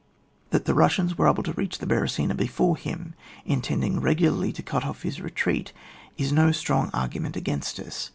That the Eussians were able to reach the Beresina before him, intending regu larly to cut off his retreat, is no strong argument against us.